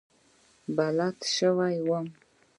بلد شوی وم.